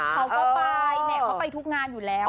เขาก็ไปแหมเขาไปทุกงานอยู่แล้ว